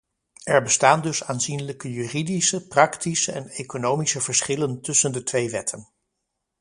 Er bestaan dus aanzienlijke juridische, praktische en economische verschillen tussen de twee wetten.